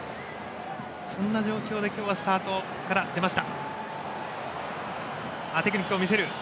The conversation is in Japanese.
そんな状況で今日はスタートから出ました。